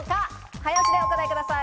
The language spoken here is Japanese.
早押しでお答えください。